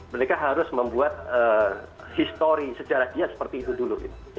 mereka harus membuat histori sejarah dia seperti itu dulu